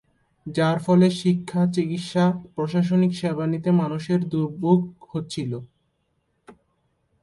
যার ফলে শিক্ষা, চিকিৎসা, প্রশাসনিক সেবা নিতে মানুষের দুর্ভোগ হচ্ছিলো।